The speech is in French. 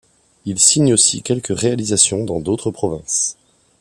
Il signe aussi quelques réalisations dans d'autres provinces.